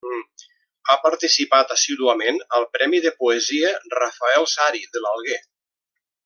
Ha participat assíduament al premi de poesia Rafael Sari de l'Alguer.